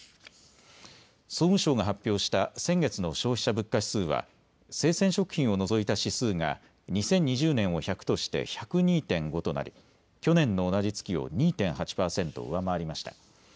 総務省が発表した先月の消費者物価指数は生鮮食品を除いた指数が２０２０年を１００として１０２．５となり去年の同じ月を２．８％上回りました。